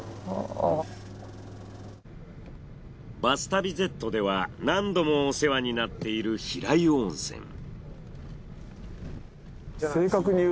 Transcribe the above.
「バス旅Ｚ」では何度もお世話になっている平湯温泉。